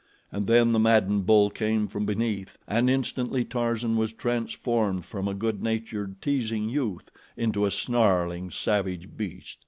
And then the maddened bull came from beneath, and instantly Tarzan was transformed from a good natured, teasing youth into a snarling, savage beast.